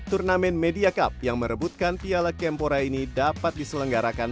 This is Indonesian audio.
turnamen media cup yang merebutkan piala kempora ini dapat diselenggarakan